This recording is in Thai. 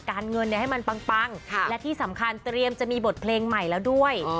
การเงินให้มันปังและที่สำคัญเตรียมจะมีบทเพลงใหม่แล้วด้วย